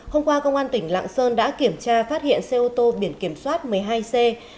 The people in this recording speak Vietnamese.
hôm qua công an tỉnh lạng sơn đã kiểm tra phát hiện xe ô tô biển kiểm soát một mươi hai c ba nghìn hai trăm năm mươi